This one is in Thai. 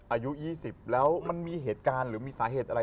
อายุ๒๐แล้วมันมีเหตุการณ์หรือมีสาเหตุอะไร